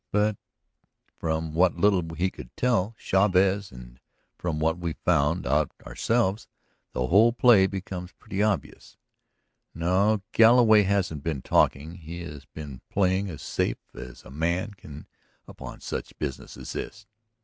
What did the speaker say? But from what little he could tell Chavez and from what we found out for ourselves, the whole play became pretty obvious. No, Galloway hasn't been talking and he has been playing as safe as a man can upon such business as this.